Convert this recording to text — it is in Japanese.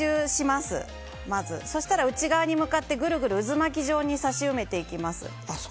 そしたら内側に向かって渦巻き状に刺し埋めていきます。